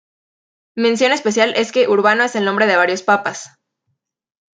Mención especial es que Urbano es el nombre de varios Papas.